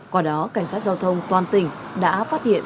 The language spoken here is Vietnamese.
qua đó cảnh sát giao thông toàn tỉnh đã phát hiện